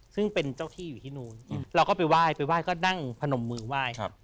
ซึ่งเป็นเจ้าที่อยู่ที่นู้นเราก็ไปไหว้ไปไหว้ก็นั่งพนมมือไหว้